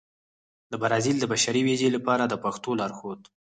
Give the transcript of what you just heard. د برازيل د بشري ویزې لپاره د پښتو لارښود